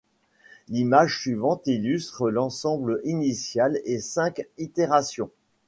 L'image suivante illustre l'ensemble initial et cinq itérations.